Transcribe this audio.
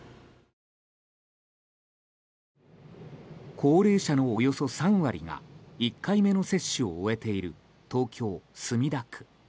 高齢者の、およそ３割が１回目の接種を終えている東京・墨田区。